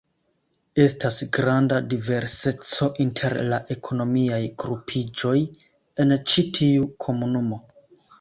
Estas granda diverseco inter la ekonomiaj grupiĝoj en ĉi tiu komunumo.